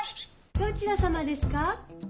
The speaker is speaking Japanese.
どちら様ですか？